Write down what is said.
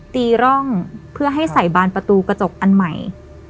ตีร่องเพื่อให้ใส่บานประตูกระจกอันใหม่